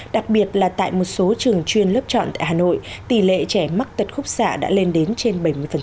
đặc biệt là tại một số trường chuyên lớp chọn tại hà nội tỷ lệ trẻ mắc tật khúc xạ đã lên đến trên bảy mươi